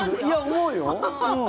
思うよ。